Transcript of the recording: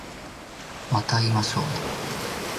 また会いましょうね